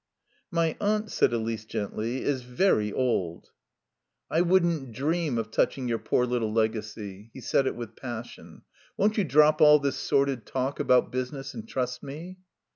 "My aunt," said Elise gently, "is very old." "I wouldn't dream of touching your poor little legacy." He said it with passion. "Won't you drop all this sordid talk about business and trust me?"